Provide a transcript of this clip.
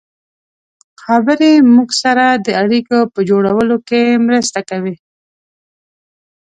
خبرې موږ سره د اړیکو په جوړولو کې مرسته کوي.